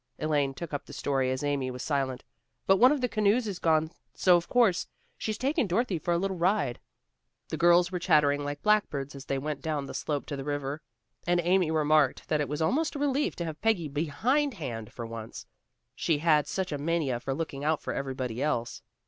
Elaine took up the story as Amy was silent. "But one of the canoes is gone, so, of course, she's taken Dorothy for a little ride." The girls were chattering like blackbirds as they went down the slope to the river. Elaine recalled Peggy's fondness for the water, and Amy remarked that it was almost a relief to have Peggy behindhand for once, she had such a mania for looking out for everybody else.